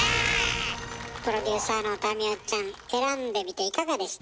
プロデューサーの民生ちゃん選んでみていかがでした？